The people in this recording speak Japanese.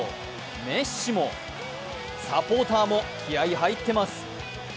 メッシも、サポーターも気合い入っています。